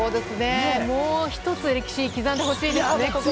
もう１つ歴史刻んでほしいですね。